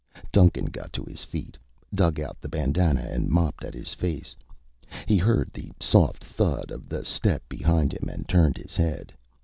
Duncan got to his feet, dug out the bandanna and mopped at his face. He heard the soft thud of the step behind him and turned his head.